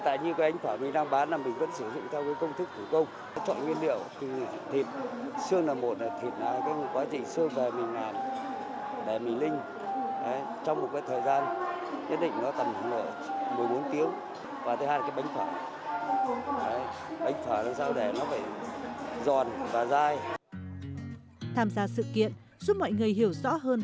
tham gia sự kiện giúp mọi người hiểu rõ hơn